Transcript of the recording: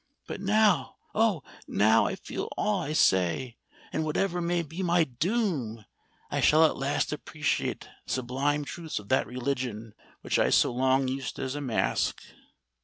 But now—oh! now, I feel all I say; and whatever may be my doom, I shall at last appreciate the sublime truths of that religion which I so long used as a mask.